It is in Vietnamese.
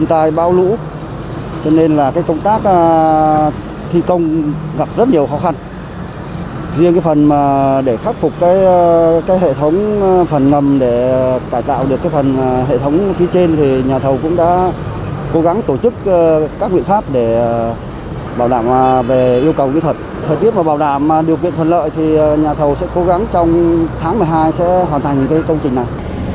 theo bảo đảm điều kiện thuận lợi nhà thầu sẽ cố gắng trong tháng một mươi hai sẽ hoàn thành công trình này